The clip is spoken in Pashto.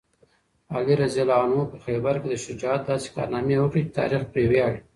علي رض په خیبر کې د شجاعت داسې کارنامې وکړې چې تاریخ پرې ویاړي.